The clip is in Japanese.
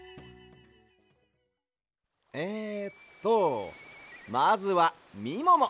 えっとまずはみもも！